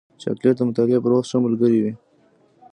چاکلېټ د مطالعې پر وخت ښه ملګری وي.